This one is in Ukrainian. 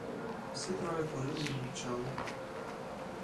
Всі троє курили й мовчали.